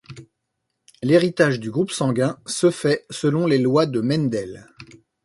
L'héritage du groupe sanguin se fait selon les lois de Mendel.